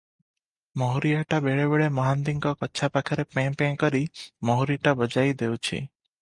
ମହୁରିଆଟା ବେଳେ ବେଳେ ମହାନ୍ତିଙ୍କ କଛା ପାଖରେ ପେଁ-ପେଁ କରି ମହୁରିଟା ବଜାଇ ଦେଉଛି ।